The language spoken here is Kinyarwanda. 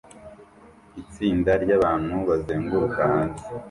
Itsinda ryabantu bazenguruka hanze